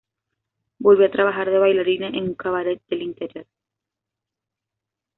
Volvió a trabajar de bailarina en un cabaret del interior.